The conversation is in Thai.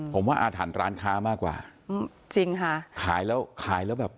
ผมว่าอาถรรพ์ร้านค้ามากกว่าอืมจริงค่ะขายแล้วขายแล้วแบบ